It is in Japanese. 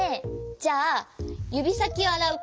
じゃあゆびさきをあらうこのうごき。